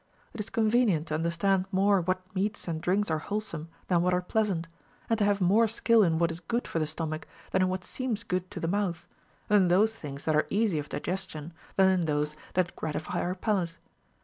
It is convenient to understand more what meats and drinks are wholesome than what are pleasant, and to have more skill in Avhat is good for the stomach than in what seems good to the mouth, and in those things that are easy of digestion than in those that gratify our palate.